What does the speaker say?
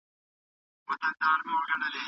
انلاين کورسونه د وخت انعطاف ورکوي.